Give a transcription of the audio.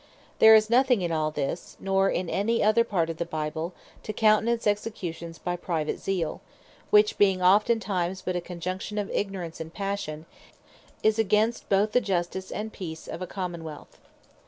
There is nothing in all this, nor in any other part of the Bible, to countenance Executions by Private Zeal; which being oftentimes but a conjunction of Ignorance and Passion, is against both the Justice and Peace of a Common wealth.